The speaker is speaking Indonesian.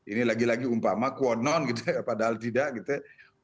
ini lagi lagi umpama quo non gitu ya padahal tidak gitu ya